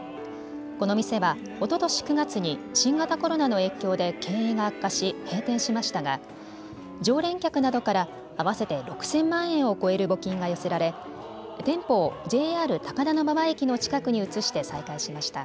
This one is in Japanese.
この店はおととし９月に新型コロナの影響で経営が悪化し閉店しましたが常連客などから合わせて６０００万円を超える募金が寄せられ店舗をＪＲ高田馬場駅の近くに移して再開しました。